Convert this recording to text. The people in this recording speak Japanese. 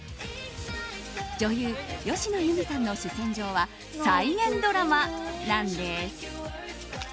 女優・芳野友美さんの主戦場は再現ドラマなんです。